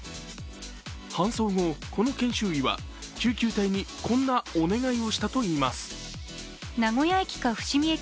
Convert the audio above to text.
搬送後、この研修医は救急隊にこんなお願いをしたといいます。